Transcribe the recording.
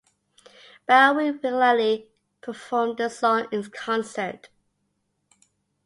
Bowie regularly performed the song in concert.